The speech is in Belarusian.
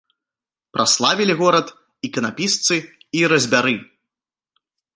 Праславілі горад іканапісцы і разьбяры.